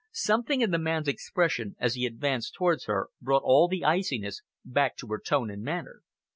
Something in the man's expression as he advanced towards her brought all the iciness back to her tone and manner.